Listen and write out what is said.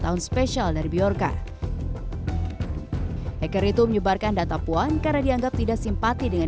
tahun spesial dari bjorka hacker itu menyebarkan data puan karena dianggap tidak simpati dengan